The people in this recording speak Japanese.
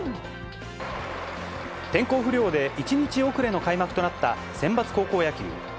天候不良で、１日遅れの開幕となったセンバツ高校野球。